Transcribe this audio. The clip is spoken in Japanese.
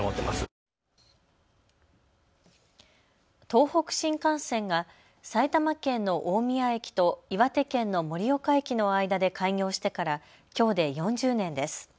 東北新幹線が埼玉県の大宮駅と岩手県の盛岡駅の間で開業してからきょうで４０年です。